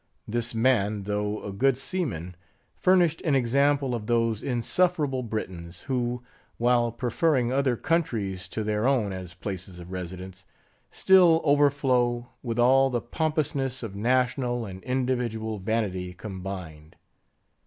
This man, though a good seaman, furnished an example of those insufferable Britons, who, while preferring other countries to their own as places of residence; still, overflow with all the pompousness of national and individual vanity combined.